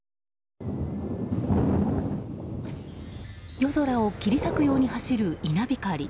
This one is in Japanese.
夜空を切り裂くように走る稲光。